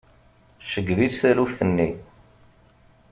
Tceggeb-itt taluft-nni.